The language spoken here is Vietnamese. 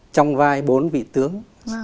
trong vai bốn vị tướng